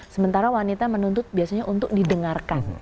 sementara wanita menuntut biasanya untuk didengarkan